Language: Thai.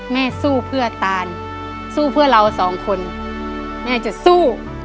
สู้เพื่อตานสู้เพื่อเราสองคนแม่จะสู้